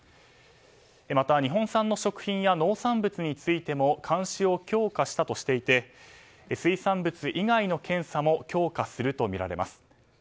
また、日本産の食品や農産物についても監視を強化したとしていて水産物以外の検査も強化するとみられます。